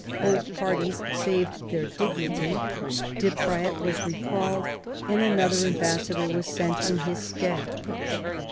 Both parties saved their dignity; De Praet was recalled, and another ambassador was sent .in his stead.